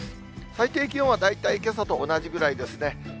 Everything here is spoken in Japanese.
最低気温は大体けさと同じぐらいですね。